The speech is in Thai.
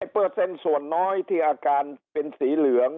เปอร์เซ็นต์ส่วนน้อยที่อาการเป็นสีเหลือง